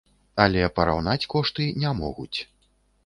Але параўнаць кошты не могуць.